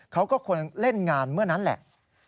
เขาก็ควรเล่นงานเมื่อนั้นแหละ